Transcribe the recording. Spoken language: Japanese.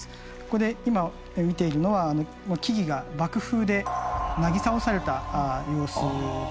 これ今見ているのは木々が爆風でなぎ倒された様子ですね。